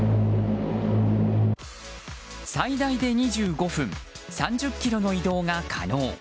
最大で２５分３０ｋｍの移動が可能。